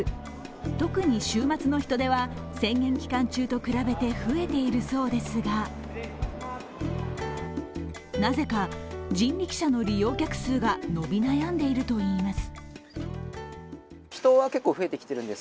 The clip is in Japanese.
特に週末の人出は宣言期間中と比べて増えているそうですがなぜか人力車の利用客数が伸び悩んでいるといいます。